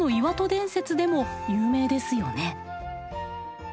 伝説でも有名ですよね。